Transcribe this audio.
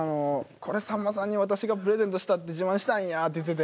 「これさんまさんに私がプレゼントしたって自慢したいんや」って言ってて。